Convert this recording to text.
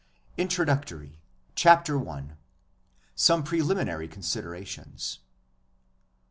INTRODUCTORY CHAPTER I SOME PRELIMINARY CONSIDERATIONS I.